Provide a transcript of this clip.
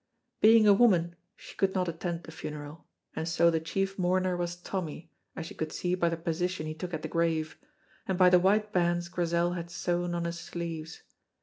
Being a woman, she could not attend the funeral, and so the chief mourner was Tommy, as you could see by the position he took at the grave, and by the white bands Grizel had sewn on his sleeves.